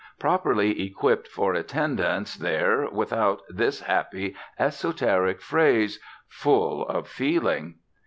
properly equipped for attendance there without this happy esoteric phrase "full of feeling"?